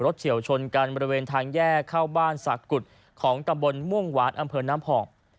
เฉียวชนกันบริเวณทางแยกเข้าบ้านสากุฎของตำบลม่วงหวานอำเภอน้ำพอง